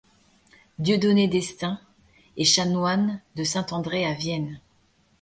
Dieudonné d'Estaing est chanoine de Saint-André à Vienne.